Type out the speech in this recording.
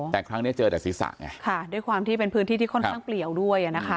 แต่ครั้งนี้เจอแต่ศีรษะไงค่ะด้วยความที่เป็นพื้นที่ที่ค่อนข้างเปลี่ยวด้วยอ่ะนะคะ